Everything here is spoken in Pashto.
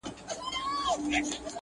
پر سر یې واوري اوروي پای یې ګلونه!.